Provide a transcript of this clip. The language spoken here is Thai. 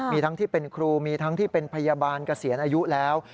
มีทั้งที่เป็นครูมีทั้งที่เป็นพยาบาลเกษียณอายุแล้ว